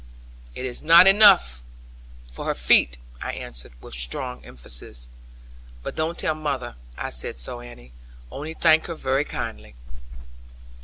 'It is not good enough for her feet,' I answered, with strong emphasis; 'but don't tell mother I said so, Annie. Only thank her very kindly.'